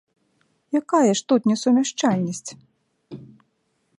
Якая ж тут несумяшчальнасць?